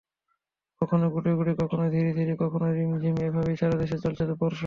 কখনো গুঁড়ি গুঁড়ি, কখনো ঝিরিঝিরি, কখনোবা রিমঝিম—এভাবে সারা দেশেই চলছে বর্ষণ।